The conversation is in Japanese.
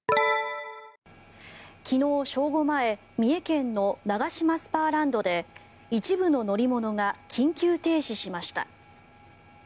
昨日正午前三重県のナガシマスパーランドで一部の乗り物が緊急停止しました。